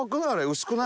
薄くない？